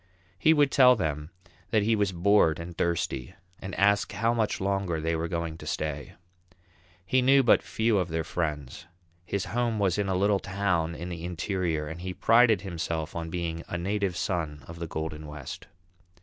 He would tell them that he was bored and thirsty and ask how much longer they were going to stay. He knew but few of their friends; his home was in a little town in the interior and he prided himself on being a "Native Son of the Golden West."